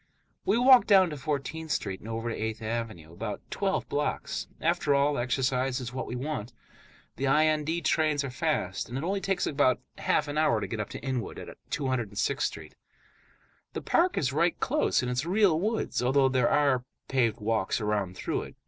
We walk down to Fourteenth Street and over to Eighth Avenue, about twelve blocks; after all, exercise is what we want. The IND trains are fast, and it only takes about half an hour to get up to Inwood, at 206th Street. The park is right close, and it is real woods, although there are paved walks around through it.